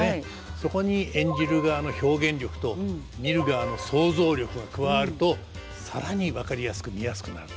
そこに演じる側の表現力と見る側の想像力が加わると更に分かりやすく見やすくなると。